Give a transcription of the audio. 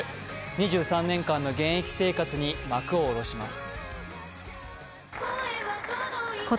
２３年間の現役引退に幕を下ろします。